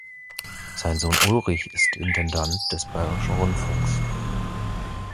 Sein Sohn Ulrich ist Intendant des Bayerischen Rundfunks.